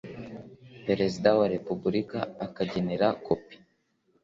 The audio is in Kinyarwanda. perezida wa repubulika akagenera kopi